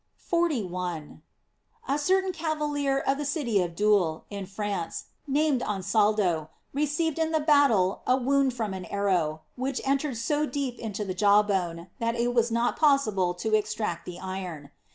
f 41. — A certain cavalier, of the city of Doul, in France, named Ansaldo, received in the battle a wound from an arrow, which entered so deep into the jaw bone, that it was not possible to extract the iron.